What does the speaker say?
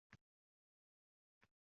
Ular oʻng oʻrmon fondiga oʻtkaziladi